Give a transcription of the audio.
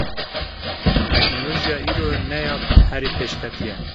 Teknolojiya îro ne ya herî pêşketî ye.